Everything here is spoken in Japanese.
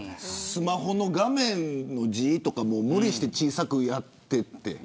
スマホの画面の字とかも無理して小さくやって。